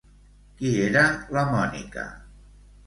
Qui era la Mònica?